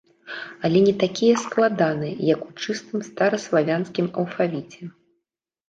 Але не такія складаныя, як у чыстым стараславянскім алфавіце.